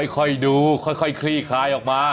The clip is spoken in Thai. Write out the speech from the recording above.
ค่อยดูค่อยคลี่คลายออกมา